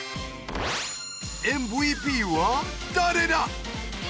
ＭＶＰは誰だ！？